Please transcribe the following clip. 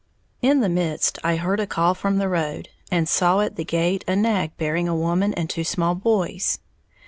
'"] In the midst I heard a call from the road, and saw at the gate a nag bearing a woman and two small boys.